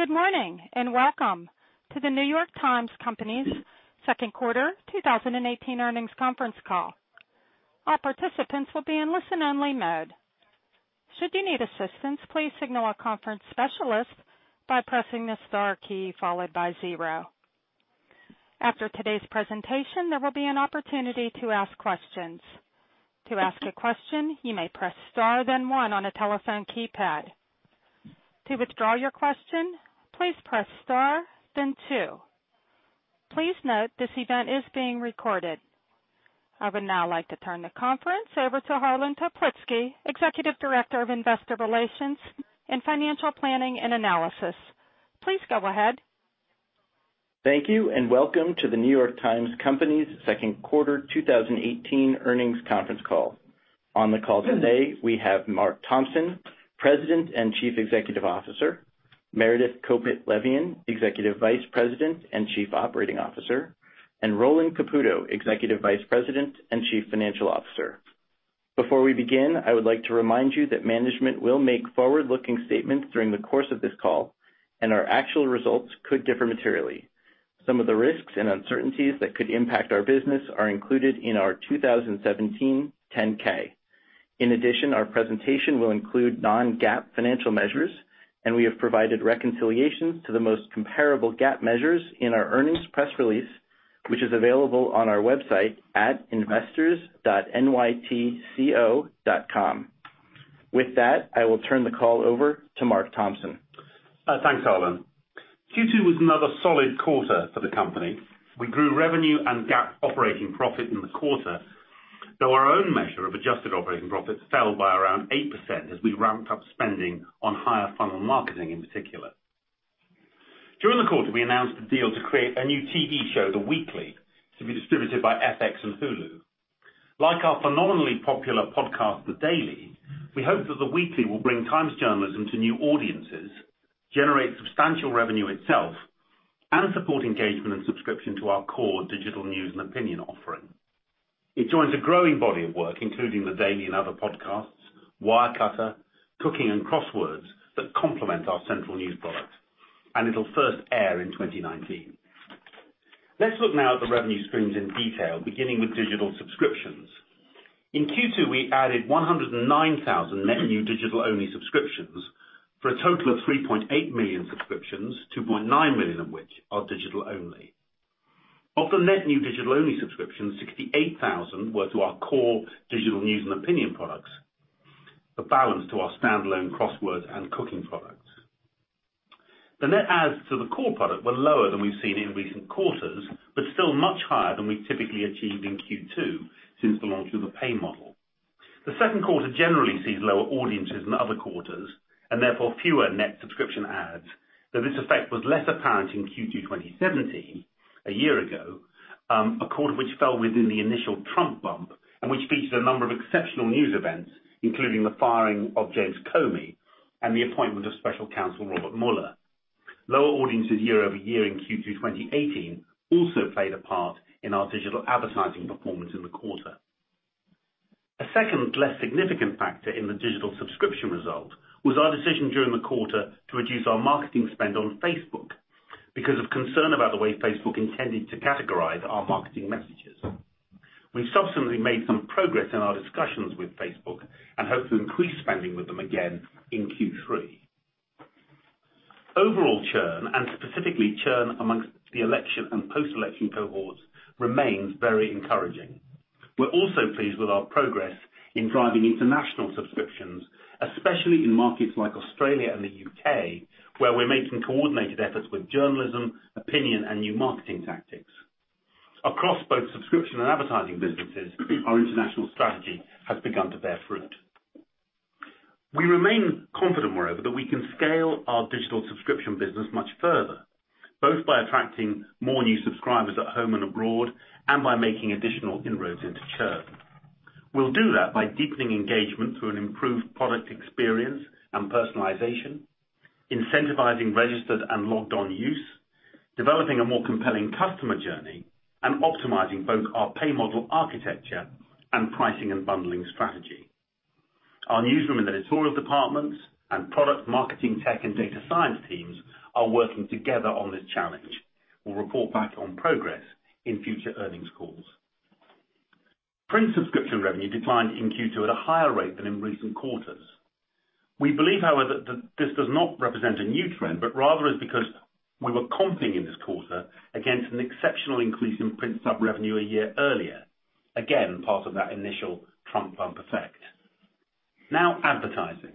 Good morning, and welcome to The New York Times Company's second quarter 2018 earnings conference call. All participants will be in listen-only mode. Should you need assistance, please signal our conference specialist by pressing the star key followed by zero. After today's presentation, there will be an opportunity to ask questions. To ask a question, you may press star then one on a telephone keypad. To withdraw your question, please press star then two. Please note this event is being recorded. I would now like to turn the conference over to Harlan Toplitzky, Executive Director of Investor Relations and Financial Planning and Analysis. Please go ahead. Thank you, and welcome to The New York Times Company's second quarter 2018 earnings conference call. On the call today, we have Mark Thompson, President and Chief Executive Officer, Meredith Kopit Levien, Executive Vice President and Chief Operating Officer, and Roland Caputo, Executive Vice President and Chief Financial Officer. Before we begin, I would like to remind you that management will make forward-looking statements during the course of this call, and our actual results could differ materially. Some of the risks and uncertainties that could impact our business are included in our 2017 10-K. In addition, our presentation will include non-GAAP financial measures, and we have provided reconciliations to the most comparable GAAP measures in our earnings press release, which is available on our website at investors.nytco.com. With that, I will turn the call over to Mark Thompson. Thanks, Harlan. Q2 was another solid quarter for the company. We grew revenue and GAAP operating profit in the quarter, though our own measure of adjusted operating profit fell by around 8% as we ramped up spending on higher funnel marketing, in particular. During the quarter, we announced a deal to create a new TV show, "The Weekly," to be distributed by FX and Hulu. Like our phenomenally popular podcast, "The Daily," we hope that "The Weekly" will bring Times journalism to new audiences, generate substantial revenue itself, and support engagement and subscription to our core digital news and opinion offering. It joins a growing body of work, including "The Daily" and other podcasts, Wirecutter, Cooking and Crosswords, that complement our central news product, and it'll first air in 2019. Let's look now at the revenue streams in detail, beginning with digital subscriptions. In Q2, we added 109,000 net new digital-only subscriptions for a total of 3.8 million subscriptions, 2.9 million of which are digital only. Of the net new digital-only subscriptions, 68,000 were to our core digital news and opinion products, the balance to our standalone crossword and cooking products. The net adds to the core product were lower than we've seen in recent quarters, but still much higher than we typically achieved in Q2 since the launch of the pay model. The second quarter generally sees lower audiences than other quarters, and therefore fewer net subscription adds, though this effect was less apparent in Q2 2017, a year ago, a quarter which fell within the initial Trump bump and which featured a number of exceptional news events, including the firing of James Comey and the appointment of Special Counsel Robert Mueller. Lower audiences year-over-year in Q2 2018 also played a part in our digital advertising performance in the quarter. A second less significant factor in the digital subscription result was our decision during the quarter to reduce our marketing spend on Facebook because of concern about the way Facebook intended to categorize our marketing messages. We subsequently made some progress in our discussions with Facebook and hope to increase spending with them again in Q3. Overall churn, and specifically churn amongst the election and post-election cohorts, remains very encouraging. We're also pleased with our progress in driving international subscriptions, especially in markets like Australia and the U.K., where we're making coordinated efforts with journalism, opinion, and new marketing tactics. Across both subscription and advertising businesses, our international strategy has begun to bear fruit. We remain confident, moreover, that we can scale our digital subscription business much further, both by attracting more new subscribers at home and abroad, and by making additional inroads into churn. We'll do that by deepening engagement through an improved product experience and personalization, incentivizing registered and logged-on use, developing a more compelling customer journey, and optimizing both our pay model architecture and pricing and bundling strategy. Our newsroom and editorial departments and product marketing tech and data science teams are working together on this challenge. We'll report back on progress in future earnings calls. Print subscription revenue declined in Q2 at a higher rate than in recent quarters. We believe, however, that this does not represent a new trend, but rather is because we were comping in this quarter against an exceptional increase in print sub revenue a year earlier. Again, part of that initial Trump bump effect. Now advertising.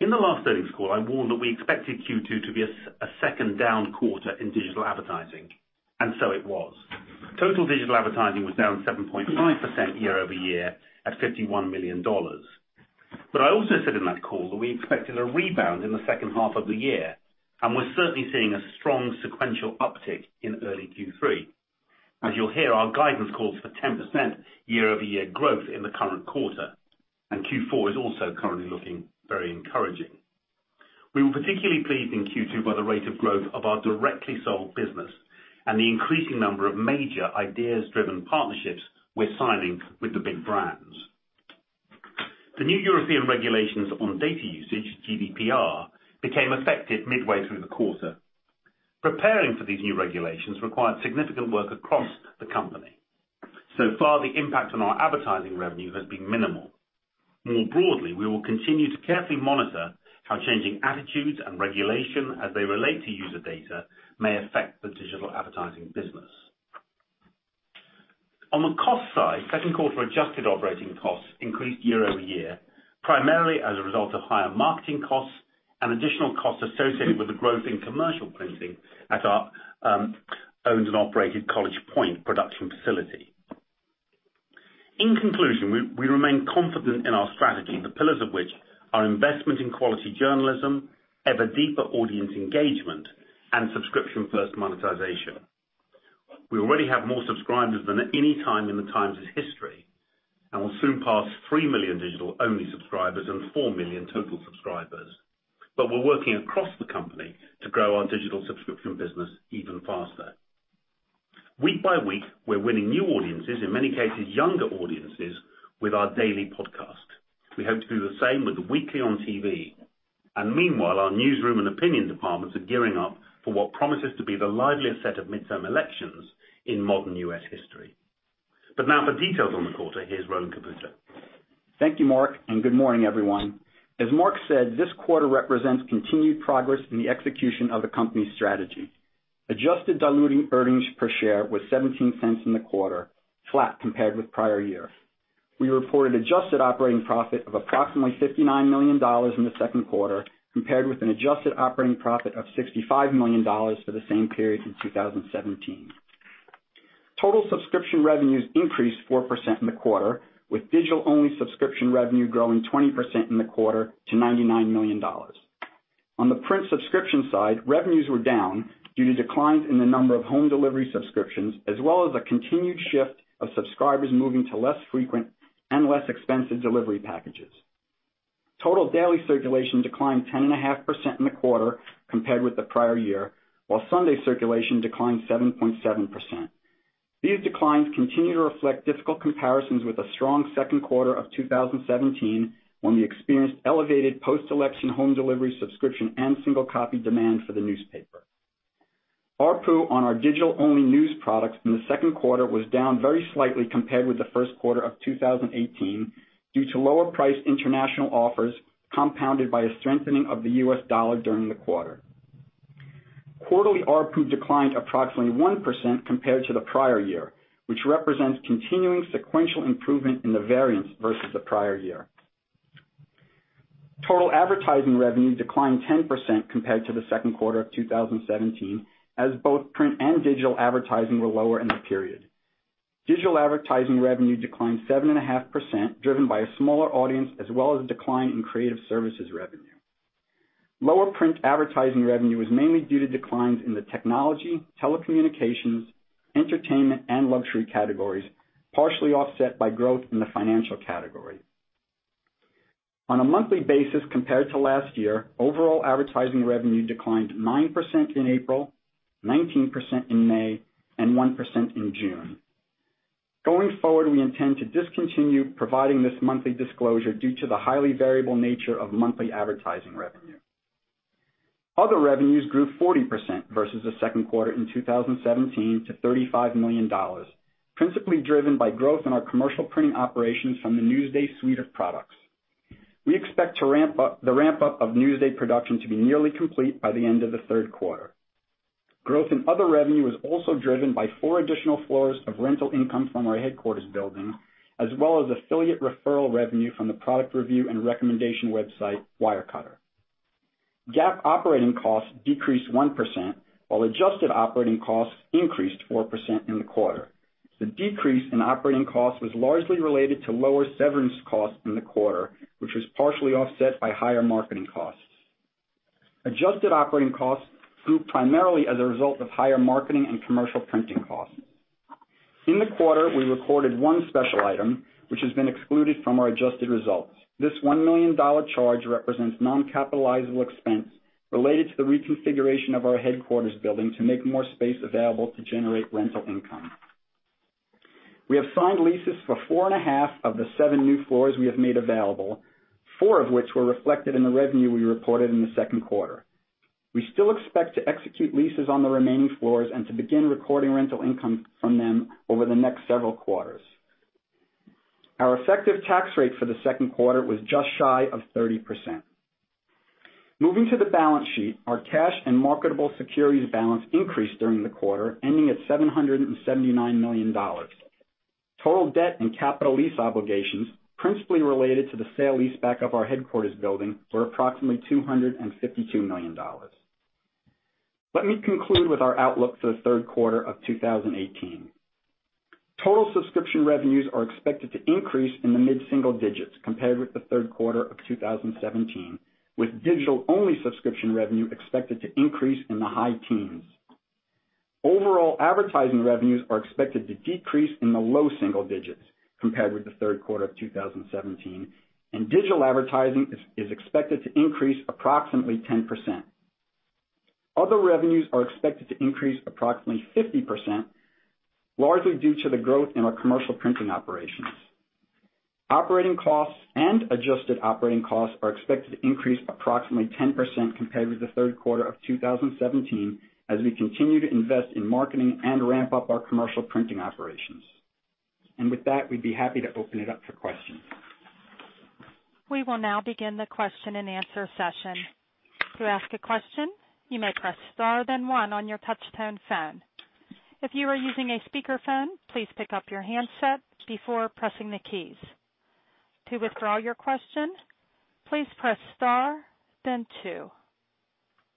In the last earnings call, I warned that we expected Q2 to be a second down quarter in digital advertising, and so it was. Total digital advertising was down 7.5% year-over-year at $51 million. I also said in that call that we expected a rebound in the second half of the year, and we're certainly seeing a strong sequential uptick in early Q3. As you'll hear, our guidance calls for 10% year-over-year growth in the current quarter, and Q4 is also currently looking very encouraging. We were particularly pleased in Q2 by the rate of growth of our directly sold business and the increasing number of major ideas-driven partnerships we're signing with the big brands. The new European regulations on data usage, GDPR, became effective midway through the quarter. Preparing for these new regulations required significant work across the company. So far, the impact on our advertising revenue has been minimal. More broadly, we will continue to carefully monitor how changing attitudes and regulation as they relate to user data may affect the digital advertising business. On the cost side, second quarter adjusted operating costs increased year-over-year, primarily as a result of higher marketing costs and additional costs associated with the growth in commercial printing at our owned and operated College Point production facility. In conclusion, we remain confident in our strategy, the pillars of which are investment in quality journalism, ever deeper audience engagement, and subscription-first monetization. We already have more subscribers than at any time in the Times' history, and will soon pass 3 million digital-only subscribers and 4 million total subscribers. We're working across the company to grow our digital subscription business even faster. Week by week, we're winning new audiences, in many cases, younger audiences, with our daily podcast. We hope to do the same with The Weekly on TV. Meanwhile, our newsroom and opinion departments are gearing up for what promises to be the liveliest set of midterm elections in modern U.S. history. Now for details on the quarter, here's Roland Caputo. Thank you, Mark, and good morning, everyone. As Mark said, this quarter represents continued progress in the execution of the company's strategy. Adjusted diluted earnings per share was $0.17 in the quarter, flat compared with prior year. We reported adjusted operating profit of approximately $59 million in the second quarter, compared with an adjusted operating profit of $65 million for the same period in 2017. Total subscription revenues increased 4% in the quarter, with digital-only subscription revenue growing 20% in the quarter to $99 million. On the print subscription side, revenues were down due to declines in the number of home delivery subscriptions, as well as a continued shift of subscribers moving to less frequent and less expensive delivery packages. Total daily circulation declined 10.5% in the quarter compared with the prior year, while Sunday circulation declined 7.7%. These declines continue to reflect difficult comparisons with a strong second quarter of 2017, when we experienced elevated post-election home delivery subscription and single copy demand for the newspaper. ARPU on our digital-only news products in the second quarter was down very slightly compared with the first quarter of 2018 due to lower priced international offers, compounded by a strengthening of the U.S. dollar during the quarter. Quarterly ARPU declined approximately 1% compared to the prior year, which represents continuing sequential improvement in the variance versus the prior year. Total advertising revenue declined 10% compared to the second quarter of 2017, as both print and digital advertising were lower in the period. Digital advertising revenue declined 7.5%, driven by a smaller audience, as well as a decline in creative services revenue. Lower print advertising revenue was mainly due to declines in the technology, telecommunications, entertainment, and luxury categories, partially offset by growth in the financial category. On a monthly basis compared to last year, overall advertising revenue declined 9% in April, 19% in May, and 1% in June. Going forward, we intend to discontinue providing this monthly disclosure due to the highly variable nature of monthly advertising revenue. Other revenues grew 40% versus the second quarter in 2017 to $35 million, principally driven by growth in our commercial printing operations from the Newsday suite of products. We expect the ramp-up of Newsday production to be nearly complete by the end of the third quarter. Growth in other revenue is also driven by four additional floors of rental income from our headquarters building, as well as affiliate referral revenue from the product review and recommendation website, Wirecutter. GAAP operating costs decreased 1%, while adjusted operating costs increased 4% in the quarter. The decrease in operating costs was largely related to lower severance costs in the quarter, which was partially offset by higher marketing costs. Adjusted operating costs grew primarily as a result of higher marketing and commercial printing costs. In the quarter, we recorded one special item, which has been excluded from our adjusted results. This $1 million charge represents non-capitalizable expense related to the reconfiguration of our headquarters building to make more space available to generate rental income. We have signed leases for 4.5 of the 7 new floors we have made available, 4 of which were reflected in the revenue we reported in the second quarter. We still expect to execute leases on the remaining floors and to begin recording rental income from them over the next several quarters. Our effective tax rate for the second quarter was just shy of 30%. Moving to the balance sheet, our cash and marketable securities balance increased during the quarter, ending at $779 million. Total debt and capital lease obligations, principally related to the sale leaseback of our headquarters building, were approximately $252 million. Let me conclude with our outlook for the third quarter of 2018. Total subscription revenues are expected to increase in the mid-single digits compared with the third quarter of 2017, with digital-only subscription revenue expected to increase in the high teens. Overall advertising revenues are expected to decrease in the low single digits compared with the third quarter of 2017, and digital advertising is expected to increase approximately 10%. Other revenues are expected to increase approximately 50%, largely due to the growth in our commercial printing operations. Operating costs and adjusted operating costs are expected to increase approximately 10% compared with the third quarter of 2017, as we continue to invest in marketing and ramp up our commercial printing operations. With that, we'd be happy to open it up for questions. We will now begin the question and answer session. To ask a question, you may press star, then one on your touch-tone phone. If you are using a speakerphone, please pick up your handset before pressing the keys. To withdraw your question, please press star, then two.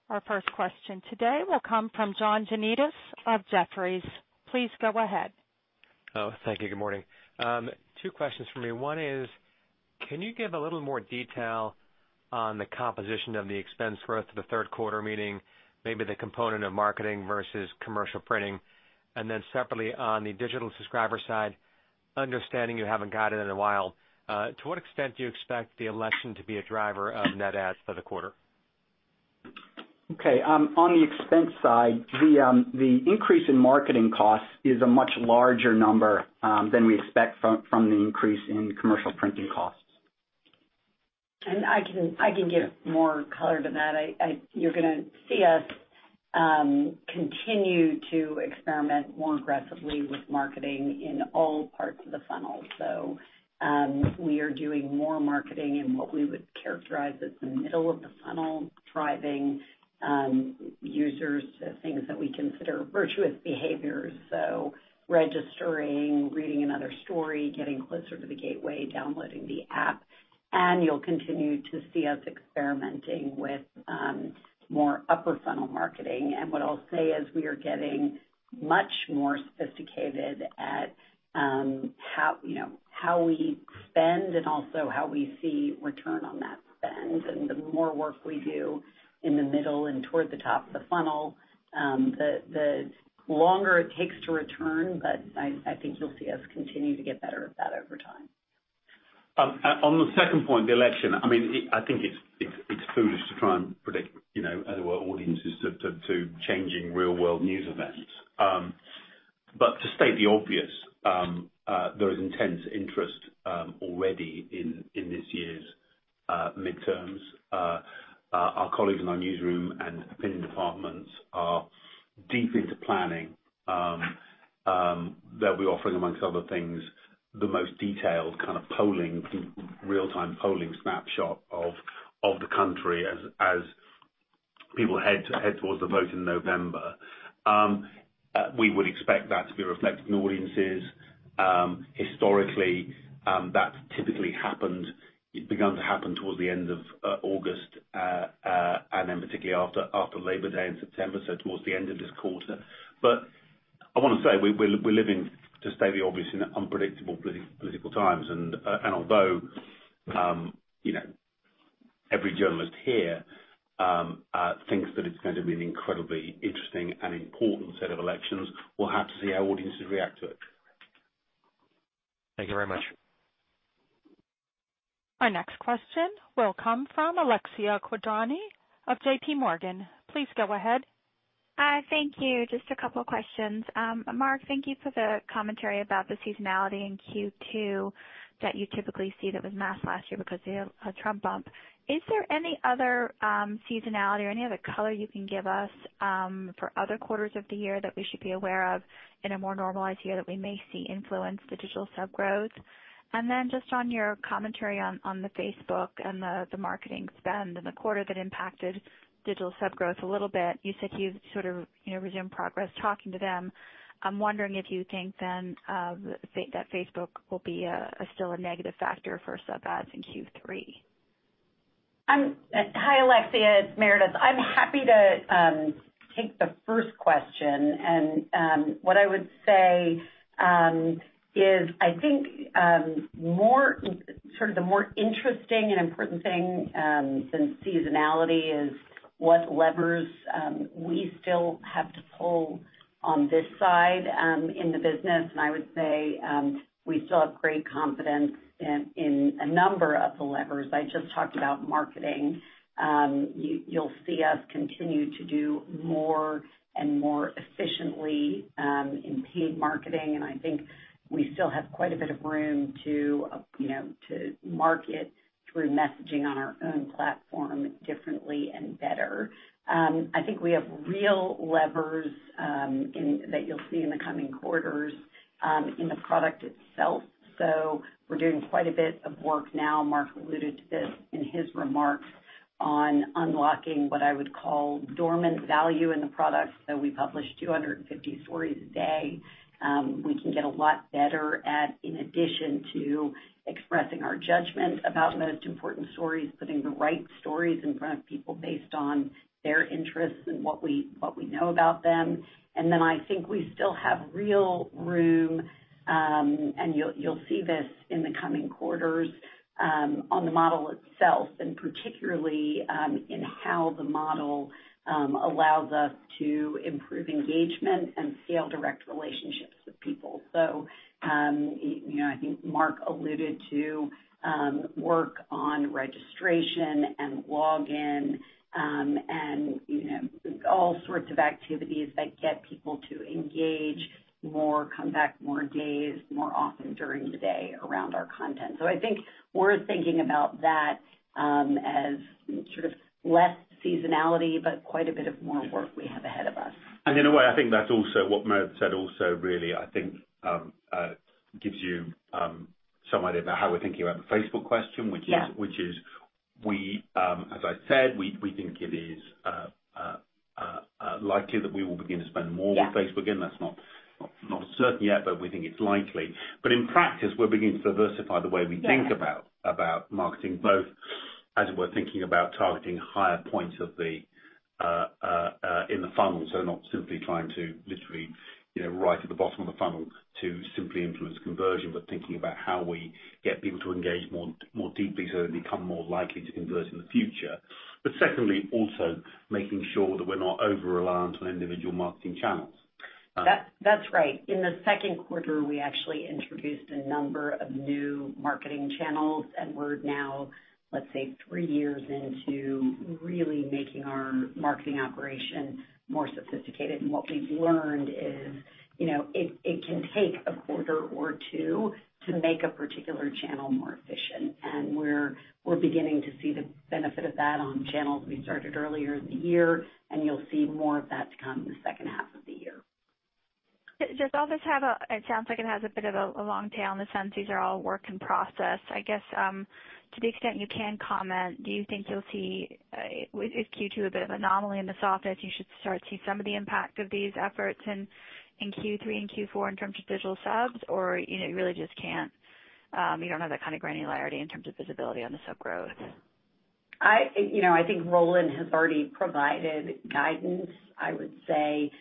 Our first question today will come from John Janedis of Jefferies. Please go ahead. Thank you. Good morning. Two questions from me. One is, can you give a little more detail on the composition of the expense growth for the third quarter, meaning maybe the component of marketing versus commercial printing? Then separately, on the digital subscriber side, understanding you haven't guided in a while, to what extent do you expect the election to be a driver of net adds for the quarter? Okay. On the expense side, the increase in marketing costs is a much larger number than we expect from the increase in commercial printing costs. I can give more color to that. You're going to see us continue to experiment more aggressively with marketing in all parts of the funnel. We are doing more marketing in what we would characterize as the middle of the funnel, driving users to things that we consider virtuous behaviors. Registering, reading another story, getting closer to the gateway, downloading the app, and you'll continue to see us experimenting with more upper funnel marketing. What I'll say is we are getting much more sophisticated at how we spend and also how we see return on that spend. The more work we do in the middle and toward the top of the funnel, the longer it takes to return, but I think you'll see us continue to get better at that over time. On the second point, the election, I think it's foolish to try and predict our audiences to changing real-world news events. To state the obvious, there is intense interest already in this year's midterms. Our colleagues in our newsroom and opinion departments are deep into planning. They'll be offering, among other things, the most detailed kind of polling, real-time polling snapshot of the country as people head towards the vote in November. We would expect that to be reflected in audiences. Historically, that's typically happened, it's begun to happen towards the end of August, and then particularly after Labor Day in September, so towards the end of this quarter. I want to say, we're living, to state the obvious, in unpredictable political times. Although every journalist here thinks that it's going to be an incredibly interesting and important set of elections, we'll have to see how audiences react to it. Thank you very much. Our next question will come from Alexia Quadrani of JPMorgan. Please go ahead. Hi, thank you. Just a couple of questions. Mark, thank you for the commentary about the seasonality in Q2 that you typically see that was masked last year because of the Trump bump. Is there any other seasonality or any other color you can give us for other quarters of the year that we should be aware of in a more normalized year that we may see influence the digital sub growth? Just on your commentary on the Facebook and the marketing spend in the quarter that impacted digital sub growth a little bit, you said you've sort of resumed progress talking to them. I'm wondering if you think then that Facebook will be still a negative factor for sub adds in Q3. Hi, Alexia, it's Meredith. I'm happy to take the first question. What I would say is, I think the more interesting and important thing than seasonality is what levers we still have to pull on this side in the business. I would say we still have great confidence in a number of the levers. I just talked about marketing. You'll see us continue to do more and more efficiently in paid marketing, and I think we still have quite a bit of room to market through messaging on our own platform differently and better. I think we have real levers that you'll see in the coming quarters in the product itself. We're doing quite a bit of work now. Mark alluded to this in his remarks on unlocking what I would call dormant value in the product. We publish 250 stories a day. We can get a lot better at, in addition to expressing our judgment about the most important stories, putting the right stories in front of people based on their interests and what we know about them. Then I think we still have real room, and you'll see this in the coming quarters, on the model itself, and particularly in how the model allows us to improve engagement and scale direct relationships with people. I think Mark alluded to work on registration and login, and all sorts of activities that get people to engage more, come back more days more often during the day around our content. I think we're thinking about that as sort of less seasonality, but quite a bit more work we have. In a way, I think that's also what Meredith said also really, I think gives you some idea about how we're thinking about the Facebook question. Yeah. Which is, as I said, we think it is likely that we will begin to spend more with Facebook. Yeah. Again, that's not certain yet, but we think it's likely. In practice, we're beginning to diversify the way we think about marketing, both as we're thinking about targeting higher points in the funnel, so not simply trying to literally right at the bottom of the funnel to simply influence conversion, but thinking about how we get people to engage more deeply so they become more likely to convert in the future. Secondly, also making sure that we're not over-reliant on individual marketing channels. That's right. In the second quarter, we actually introduced a number of new marketing channels, and we're now, let's say, three years into really making our marketing operation more sophisticated. What we've learned is, it can take a quarter or two to make a particular channel more efficient. We're beginning to see the benefit of that on channels we started earlier in the year, and you'll see more of that to come in the second half of the year. Does all this have a bit of a long tail in the sense these are all work in process. I guess, to the extent you can comment, do you think you'll see, is Q2 a bit of anomaly in the sense you should start to see some of the impact of these efforts in Q3 and Q4 in terms of digital subs? Or you really just can't, you don't have that kind of granularity in terms of visibility on the sub growth? I think Roland has already provided guidance. I would say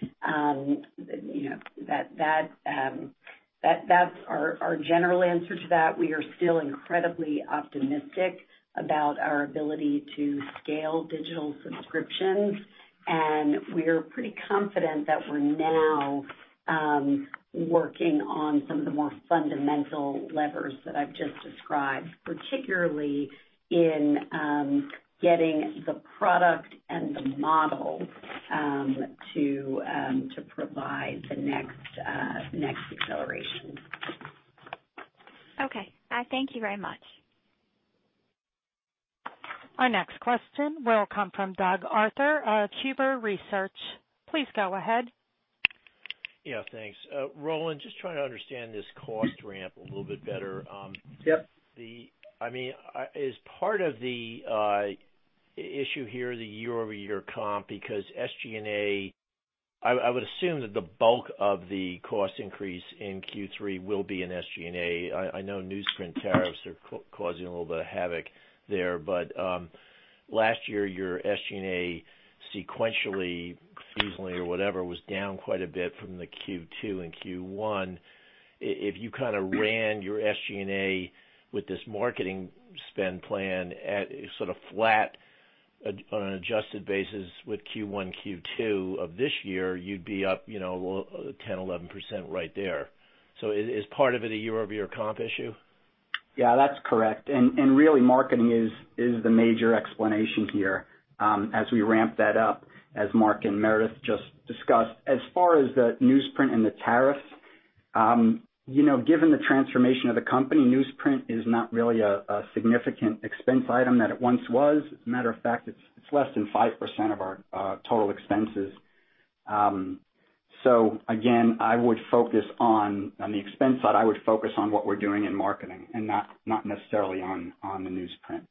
that's our general answer to that. We are still incredibly optimistic about our ability to scale digital subscriptions, and we're pretty confident that we're now working on some of the more fundamental levers that I've just described, particularly in getting the product and the model to provide the next acceleration. Okay. Thank you very much. Our next question will come from Doug Arthur of Huber Research Partners. Please go ahead. Yeah, thanks. Roland, just trying to understand this cost ramp a little bit better. Yep. Is part of the issue here the year-over-year comp? Because SG&A, I would assume that the bulk of the cost increase in Q3 will be in SG&A. I know newsprint tariffs are causing a little bit of havoc there, but, last year, your SG&A sequentially, seasonally, or whatever, was down quite a bit from the Q2 and Q1. If you kind of ran your SG&A with this marketing spend plan at sort of flat on an adjusted basis with Q1, Q2 of this year, you'd be up 10%-11% right there. So is part of it a year-over-year comp issue? Yeah, that's correct. Really marketing is the major explanation here as we ramp that up, as Mark and Meredith just discussed. As far as the newsprint and the tariffs, given the transformation of the company, newsprint is not really a significant expense item that it once was. As a matter of fact, it's less than 5% of our total expenses. Again, on the expense side, I would focus on what we're doing in marketing and not necessarily on the newsprint.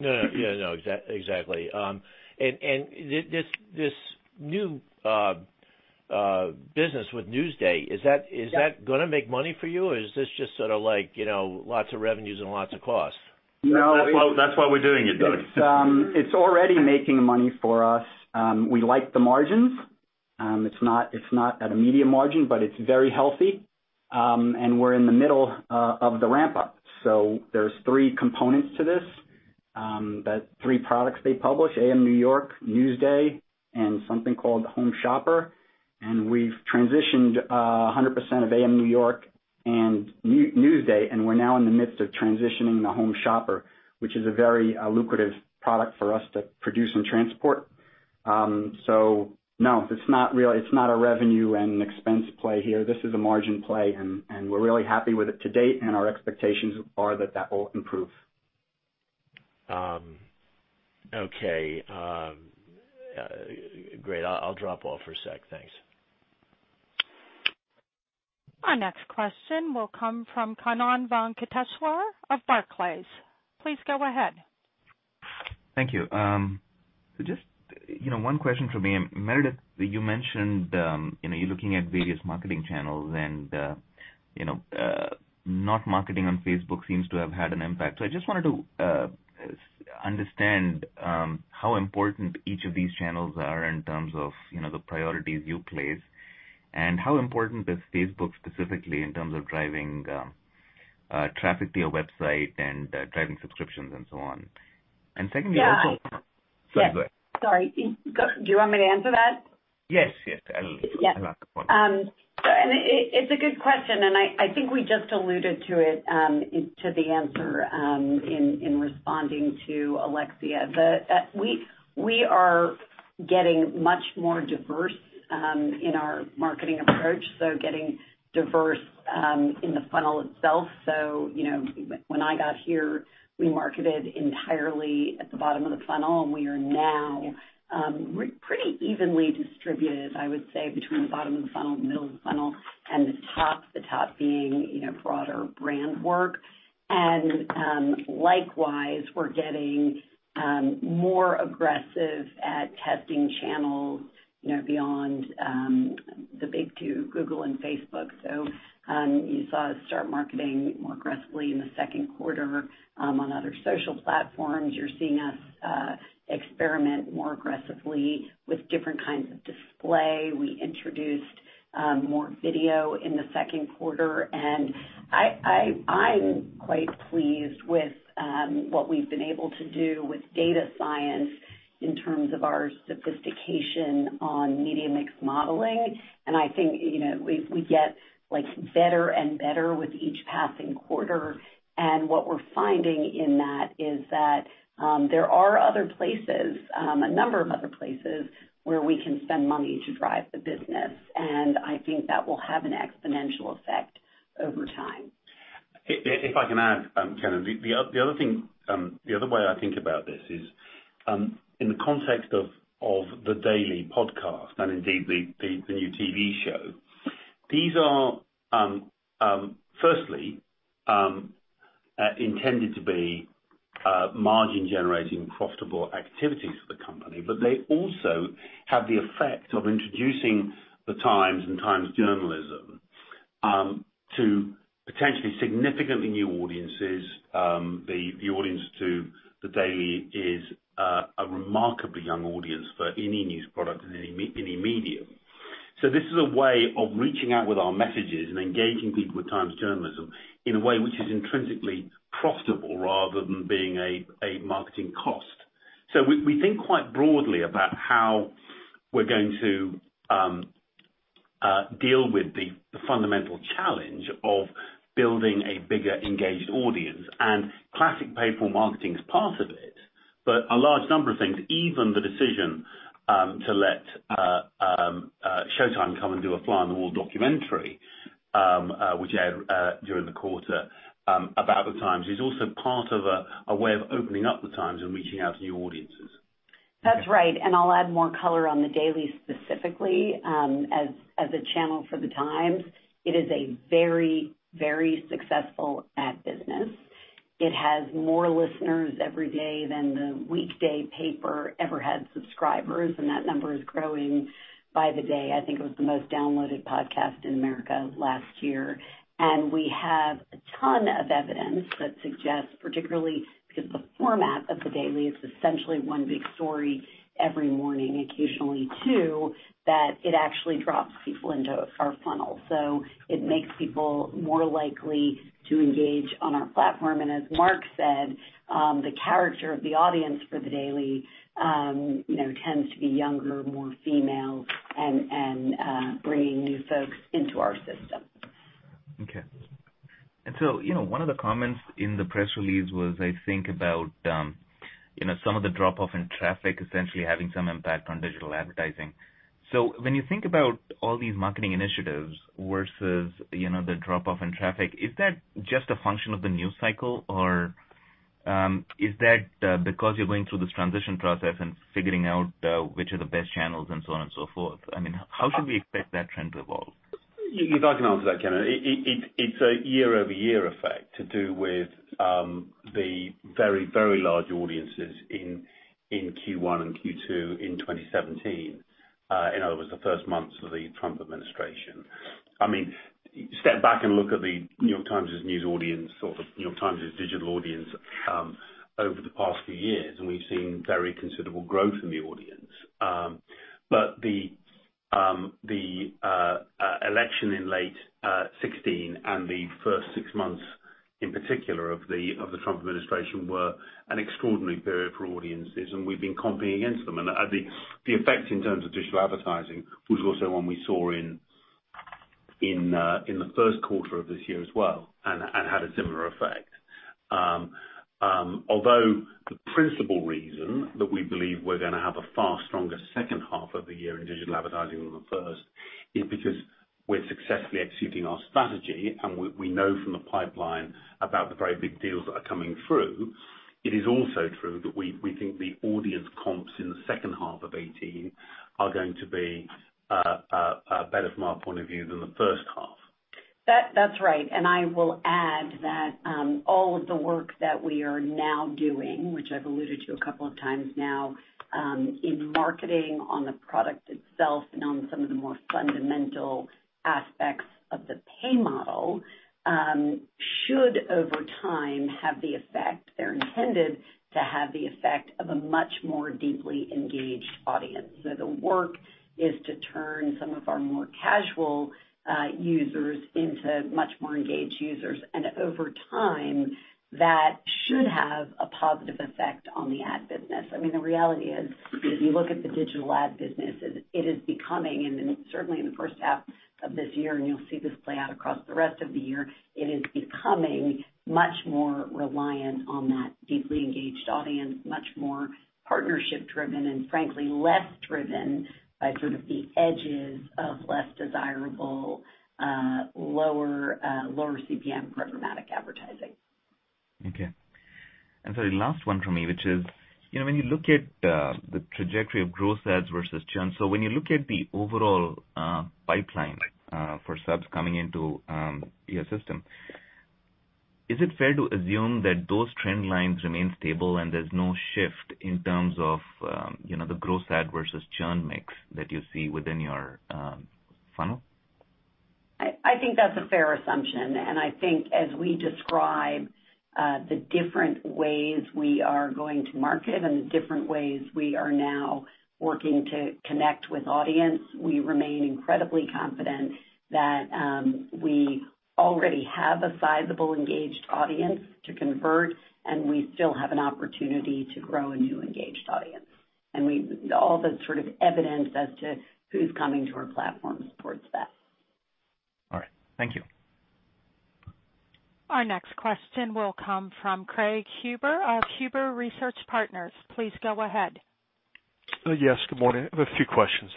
No, exactly. This new business with Newsday, is that gonna make money for you, or is this just sort of lots of revenues and lots of costs? No. That's why we're doing it, Doug. It's already making money for us. We like the margins. It's not at a media margin, but it's very healthy. We're in the middle of the ramp-up. There's three components to this, the three products they publish, amNewYork, Newsday, and something called Home Shopper. We've transitioned 100% of amNewYork and Newsday, and we're now in the midst of transitioning the Home Shopper, which is a very lucrative product for us to produce and transport. No, it's not a revenue and expense play here. This is a margin play, and we're really happy with it to date, and our expectations are that that will improve. Okay. Great. I'll drop off for a sec, thanks. Our next question will come from Kannan Venkateshwar of Barclays. Please go ahead. Thank you. Just one question from me. Meredith, you mentioned you're looking at various marketing channels, and not marketing on Facebook seems to have had an impact. I just wanted to understand how important each of these channels are in terms of the priorities you place. How important is Facebook specifically in terms of driving traffic to your website and driving subscriptions and so on? Secondly, also- Yeah. Sorry, go ahead. Sorry. Do you want me to answer that? Yes. Yeah. I'll ask one. It's a good question, and I think we just alluded to the answer in responding to Alexia. We are getting much more diverse in our marketing approach, so getting diverse in the funnel itself. When I got here, we marketed entirely at the bottom of the funnel, and we are now pretty evenly distributed, I would say, between the bottom of the funnel, the middle of the funnel, and the top. The top being broader brand work. Likewise, we're getting more aggressive at testing channels beyond the big two, Google and Facebook. You saw us start marketing more aggressively in the second quarter on other social platforms. You're seeing us experiment more aggressively with different kinds of display. We introduced more video in the second quarter, and I'm quite pleased with what we've been able to do with data science in terms of our sophistication on media mix modeling. I think we get better and better with each passing quarter, and what we're finding in that is that there are other places, a number of other places, where we can spend money to drive the business. I think that will have an exponential effect over time. If I can add, Ken, the other way I think about this is in the context of The Daily podcast and indeed the new TV show. These are firstly intended to be margin-generating profitable activities for the company, but they also have the effect of introducing The Times and Times journalism to potentially significantly new audiences. The audience to The Daily is a remarkably young audience for any news product in any medium. This is a way of reaching out with our messages and engaging people with Times journalism in a way which is intrinsically profitable rather than being a marketing cost. We think quite broadly about how we're going to deal with the fundamental challenge of building a bigger engaged audience, and classic pay for marketing is part of it. A large number of things, even the decision to let Showtime come and do a fly-on-the-wall documentary, which aired during the quarter, about The Times is also part of a way of opening up The Times and reaching out to new audiences. That's right, and I'll add more color on The Daily specifically as a channel for The Times. It is a very successful ad business. It has more listeners every day than the weekday paper ever had subscribers, and that number is growing by the day. I think it was the most downloaded podcast in America last year. We have a ton of evidence that suggests, particularly because the format of The Daily is essentially one big story every morning, occasionally two, that it actually drops people into our funnel. It makes people more likely to engage on our platform. As Mark said, the character of the audience for The Daily tends to be younger, more female, and bringing new folks into our system. Okay. One of the comments in the press release was, I think about some of the drop-off in traffic essentially having some impact on digital advertising. When you think about all these marketing initiatives versus the drop-off in traffic, is that just a function of the news cycle, or is that because you're going through this transition process and figuring out which are the best channels and so on and so forth? How should we expect that trend to evolve? If I can answer that, Ken, it's a year-over-year effect to do with the very large audiences in Q1 and Q2 in 2017. In other words, the first months of the Trump administration. Step back and look at The New York Times' news audience or The New York Times' digital audience over the past few years, and we've seen very considerable growth in the audience. But the election in late 2016 and the first six months in particular of the Trump administration were an extraordinary period for audiences, and we've been comping against them. The effect in terms of digital advertising was also one we saw in the first quarter of this year as well and had a similar effect. Although the principal reason that we believe we're going to have a far stronger second half of the year in digital advertising than the first is because we're successfully executing our strategy, and we know from the pipeline about the very big deals that are coming through. It is also true that we think the audience comps in the second half of 2018 are going to be better from our point of view than the first half. That's right. I will add that all of the work that we are now doing, which I've alluded to a couple of times now in marketing on the product itself and on some of the more fundamental aspects of the pay model should over time have the effect they're intended to have, the effect of a much more deeply engaged audience. The work is to turn some of our more casual users into much more engaged users. Over time, that should have a positive effect on the ad business. The reality is, if you look at the digital ad business, it is becoming, and certainly in the first half of this year, and you'll see this play out across the rest of the year, it is becoming much more reliant on that deeply engaged audience, much more partnership-driven, and frankly less driven by sort of the edges of less desirable lower CPM programmatic advertising. Okay. Sorry, last one from me, which is when you look at the trajectory of growth adds versus churn. When you look at the overall pipeline for subs coming into your system, is it fair to assume that those trend lines remain stable and there's no shift in terms of the gross add versus churn mix that you see within your funnel? I think that's a fair assumption, and I think as we describe the different ways we are going to market and the different ways we are now working to connect with audience, we remain incredibly confident that we already have a sizable, engaged audience to convert, and we still have an opportunity to grow a new engaged audience. All the sort of evidence as to who's coming to our platform supports that. All right. Thank you. Our next question will come from Craig Huber of Huber Research Partners. Please go ahead. Yes, good morning. I have a few questions.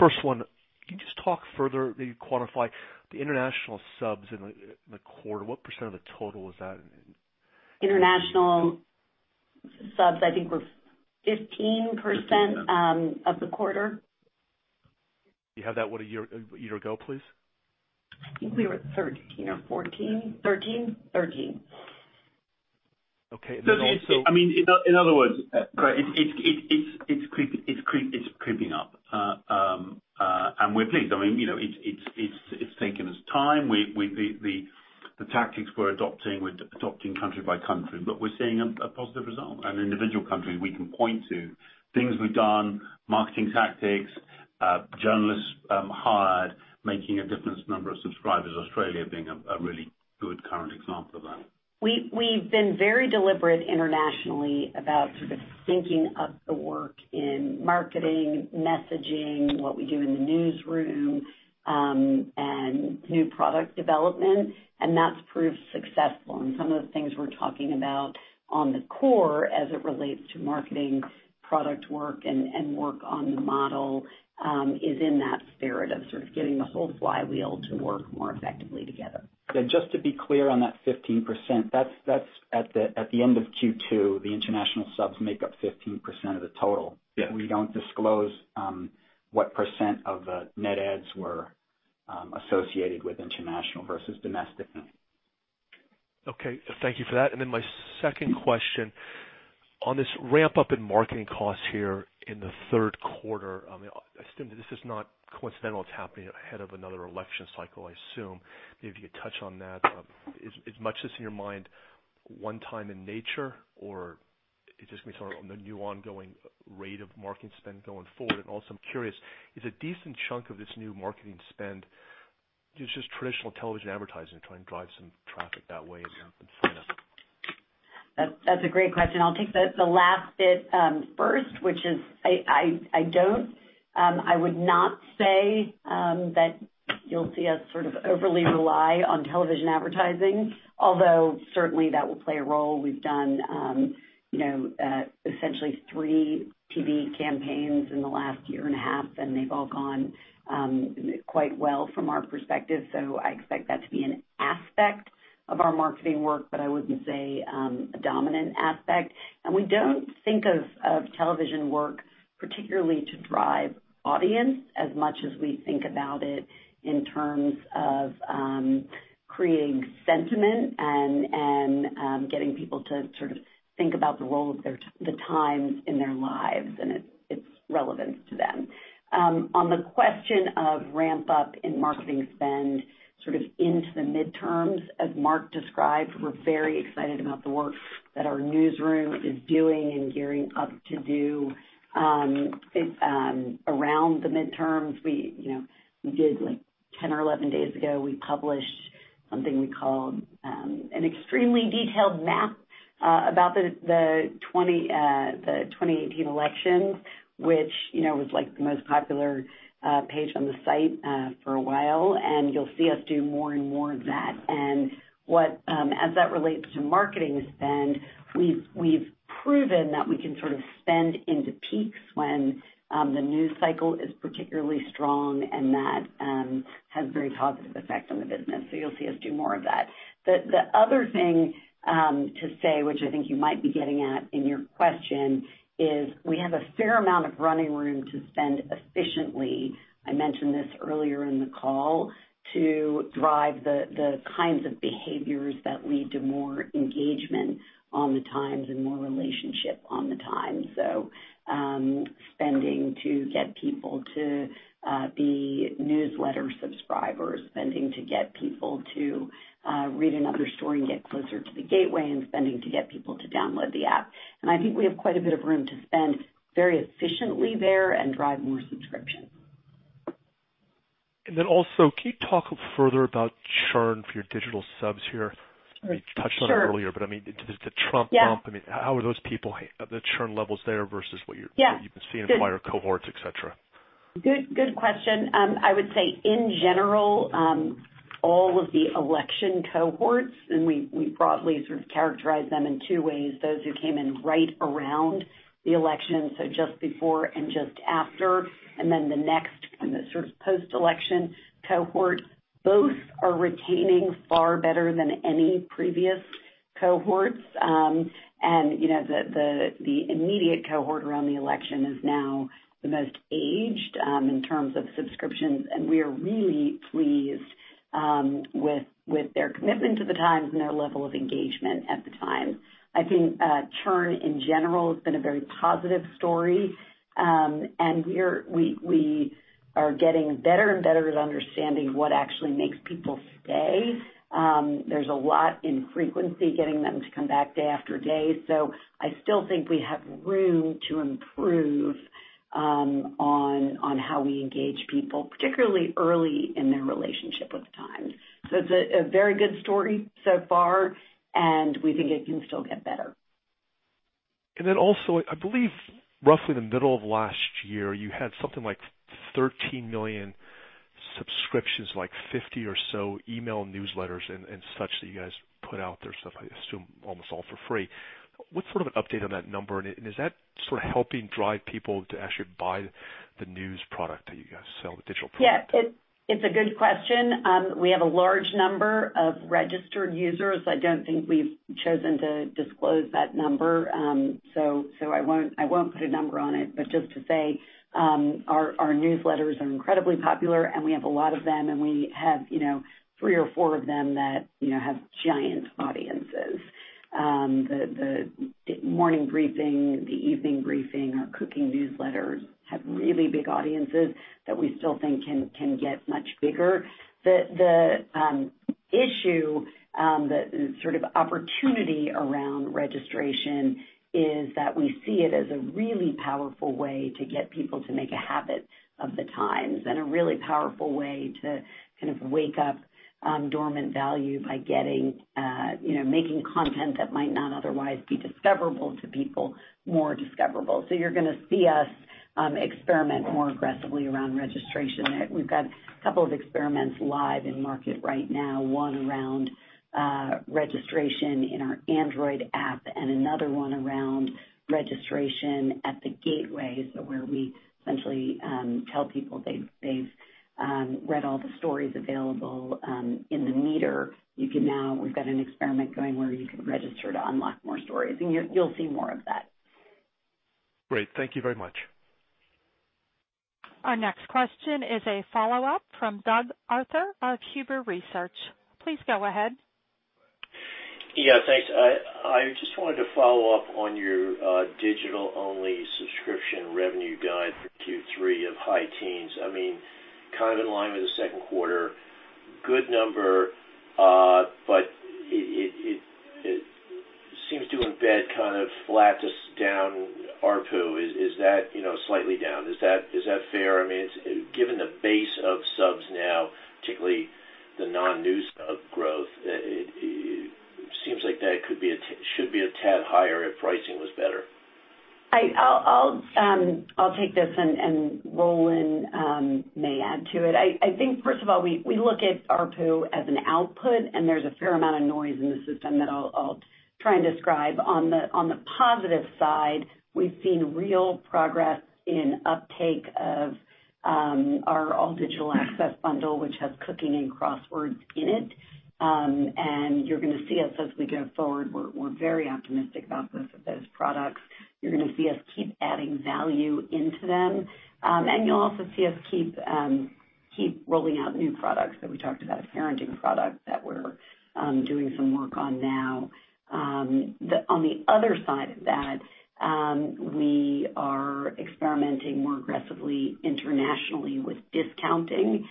First one, can you just talk further, maybe quantify the international subs in the quarter? What percentage of the total was that? International subs, I think, were 15% of the quarter. Do you have that one a year ago, please? I think we were at 13 or 14. 13. Okay. I mean, in other words, Craig, it's creeping up. We're pleased. I mean, it's taken us time. The tactics we're adopting, we're adopting country by country, but we're seeing a positive result. Individual countries we can point to, things we've done, marketing tactics, journalists hired, making a difference, number of subscribers, Australia being a really good current example of that. We've been very deliberate internationally about sort of thinking of the work in marketing, messaging, what we do in the newsroom, and new product development, and that's proved successful. Some of the things we're talking about on the core as it relates to marketing product work and work on the model, is in that spirit of sort of getting the whole flywheel to work more effectively together. Just to be clear on that 15%, that's at the end of Q2, the international subs make up 15% of the total. Yeah. We don't disclose what percent of the net adds were associated with international versus domestic. Okay. Thank you for that. My second question, on this ramp-up in marketing costs here in the third quarter, I assume this is not coincidental. It's happening ahead of another election cycle, I assume. Maybe you could touch on that. Is much of this in your mind one time in nature, or is this going to be sort of on the new ongoing rate of marketing spend going forward? Also, I'm curious, is a decent chunk of this new marketing spend just traditional television advertising to try and drive some traffic that way and sign us up? That's a great question. I'll take the last bit first, which is I don't. I would not say that you'll see us sort of overly rely on television advertising, although certainly that will play a role. We've done essentially three TV campaigns in the last year and a half, and they've all gone quite well from our perspective. I expect that to be an aspect of our marketing work, but I wouldn't say a dominant aspect. We don't think of television work particularly to drive audience as much as we think about it in terms of creating sentiment and getting people to sort of think about the role of The Times in their lives and its relevance to them. On the question of ramp-up in marketing spend sort of into the midterms, as Mark described, we're very excited about the work that our newsroom is doing and gearing up to do around the midterms. We did like 10 or 11 days ago, we published something we called an extremely detailed map about the 2018 elections, which was the most popular page on the site for a while, and you'll see us do more and more of that. As that relates to marketing spend, we've proven that we can sort of spend into peaks when the news cycle is particularly strong, and that has very positive effect on the business. You'll see us do more of that. The other thing to say, which I think you might be getting at in your question, is we have a fair amount of running room to spend efficiently. I mentioned this earlier in the call to drive the kinds of behaviors that lead to more engagement on The Times and more relationship on The Times. Spending to get people to be newsletter subscribers, spending to get people to read another story and get closer to the gateway, and spending to get people to download the app. I think we have quite a bit of room to spend very efficiently there and drive more subscriptions. Can you talk further about churn for your digital subs here? Sure. You touched on it earlier, but I mean, the Trump bump. Yeah. I mean, how are those people, the churn levels there versus what you're? Yeah. What you've been seeing in prior cohorts, et cetera? Good question. I would say in general, all of the election cohorts, and we broadly sort of characterize them in two ways, those who came in right around the election, so just before and just after, and then the next and the sort of post-election cohort, both are retaining far better than any previous cohorts. The immediate cohort around the election is now the most aged in terms of subscriptions, and we are really pleased with their commitment to The Times and their level of engagement at The Times. I think churn in general has been a very positive story. We are getting better and better at understanding what actually makes people stay. There's a lot in frequency, getting them to come back day after day. I still think we have room to improve on how we engage people, particularly early in their relationship with The Times. It's a very good story so far, and we think it can still get better. Then also, I believe roughly the middle of last year, you had something like 13 million subscriptions, like 50 or so email newsletters, and such that you guys put out there, stuff I assume almost all for free. What sort of an update on that number? Is that sort of helping drive people to actually buy the news product that you guys sell, the digital product? Yeah, it's a good question. We have a large number of registered users. I don't think we've chosen to disclose that number. I won't put a number on it. Just to say, our newsletters are incredibly popular, and we have a lot of them, and we have three or four of them that have giant audiences. The morning briefing, the evening briefing, our cooking newsletters have really big audiences that we still think can get much bigger. The issue, the sort of opportunity around registration is that we see it as a really powerful way to get people to make a habit of The Times and a really powerful way to kind of wake up dormant value by making content that might not otherwise be discoverable to people more discoverable. You're going to see us experiment more aggressively around registration. We've got a couple of experiments live in market right now. One around registration in our Android app and another one around registration at the gateway, where we essentially tell people they've read all the stories available in the meter. We've got an experiment going where you can register to unlock more stories, and you'll see more of that. Great. Thank you very much. Our next question is a follow-up from Doug Arthur of Huber Research. Please go ahead. Yeah, thanks. I just wanted to follow up on your digital-only subscription revenue guide for Q3 of high teens. Kind of in line with the second quarter, good number, but it seems to embed kind of flat to down ARPU, slightly down. Is that fair? Given the base of subs now, particularly the non-news sub growth, it seems like that should be a tad higher if pricing was better. I'll take this, and Roland may add to it. I think, first of all, we look at ARPU as an output, and there's a fair amount of noise in the system that I'll try and describe. On the positive side, we've seen real progress in uptake of our all-digital access bundle, which has Cooking and Crosswords in it. You're going to see us as we go forward, we're very optimistic about both of those products. You're going to see us keep adding value into them. You'll also see us keep rolling out new products that we talked about, a parenting product that we're doing some work on now. On the other side of that, we are experimenting more aggressively internationally with discounting.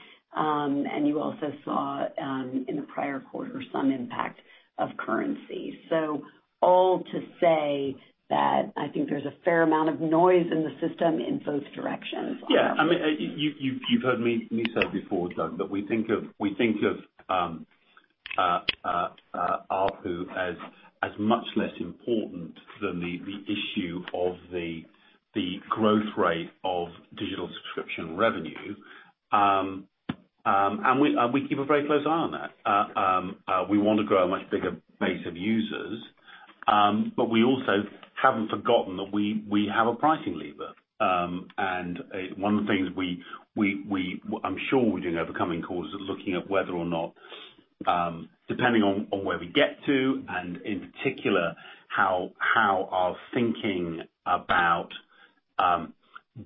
You also saw in the prior quarter some impact of currency. All to say that I think there's a fair amount of noise in the system in both directions on ARPU. Yeah. You've heard me say before, Doug, that we think of ARPU as much less important than the issue of the growth rate of digital subscription revenue. We keep a very close eye on that. We want to grow a much bigger base of users. We also haven't forgotten that we have a pricing lever. One of the things I'm sure we're doing over coming quarters is looking at whether or not, depending on where we get to and in particular how our thinking about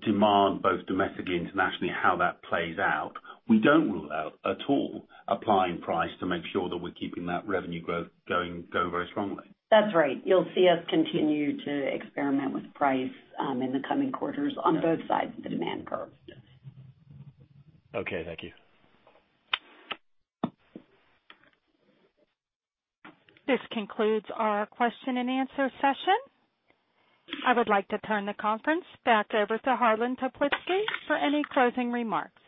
demand, both domestically, internationally, how that plays out. We don't rule out at all applying price to make sure that we're keeping that revenue growth going very strongly. That's right. You'll see us continue to experiment with price in the coming quarters on both sides of the demand curve. Okay, thank you. This concludes our question and answer session. I would like to turn the conference back over to Harlan Toplitzky for any closing remarks.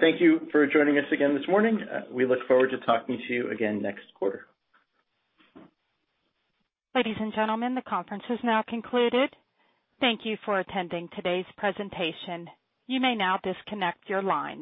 Thank you for joining us again this morning. We look forward to talking to you again next quarter. Ladies and gentlemen, the conference has now concluded. Thank you for attending today's presentation. You may now disconnect your line.